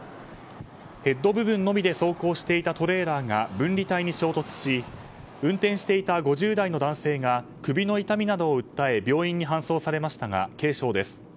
ヘッド部分のみで走行していたトレーラーが分離帯に衝突し運転していた５０代の男性が首の痛みなどを訴え病院に搬送されましたが軽傷です。